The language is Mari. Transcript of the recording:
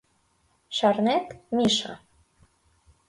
Шарнет, Миша?